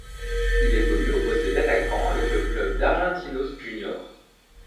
Il évolue au poste d'attaquant avec le club d'Argentinos Juniors.